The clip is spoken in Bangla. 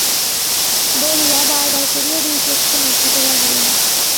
বলিয়া বার বার করিয়া দুই চক্ষু মুছিতে লাগিলেন।